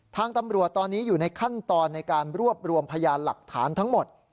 ทางตำรวจตอนนี้อยู่ในขั้นตอนในการรวบรวมพยานหลักฐานทั้งหมด